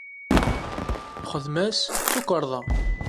Lxedma-s d tukarḍa.